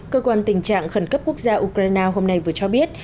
cơ quan tình trạng khẩn cấp quốc gia ukraine hôm nay vừa cho biết